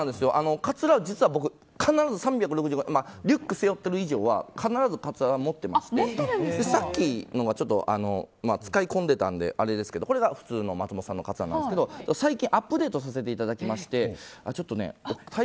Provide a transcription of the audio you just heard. カツラ、実は僕必ず３６５日必ずカツラは持っていましてさっきのは使い込んでいたのであれですけどこれが普通の松本さんのカツラなんですけど最近アップデートさせていただきまして。